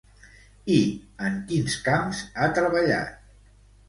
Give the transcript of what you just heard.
I en quins camps ha treballat?